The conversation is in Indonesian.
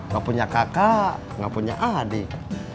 gak punya kakak gak punya adik